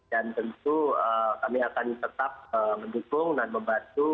dan tentu kami akan tetap mendukung dan membantu